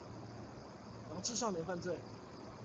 防治少年犯罪